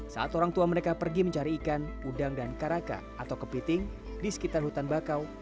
saat orang tua mereka pergi mencari ikan udang dan karaka atau kepiting di sekitar hutan bakau